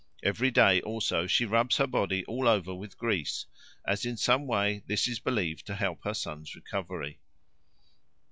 Every day also she rubs her body all over with grease, as in some way this is believed to help her son's recovery.